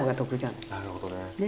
なるほどね。